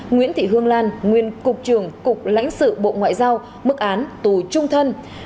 nguyễn thị hương lan nguyên cục trưởng cục lãnh sự bộ ngoại giao mức án tù trung thân